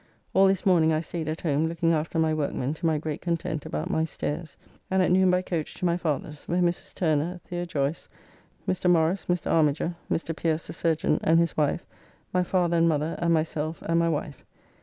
All this morning I staid at home looking after my workmen to my great content about my stairs, and at noon by coach to my father's, where Mrs. Turner, The. Joyce, Mr. Morrice, Mr. Armiger, Mr. Pierce, the surgeon, and his wife, my father and mother, and myself and my wife.